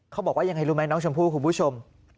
เขาบอกว่ายังไงรู้ไหมน้องชมพู่คุณผู้ชม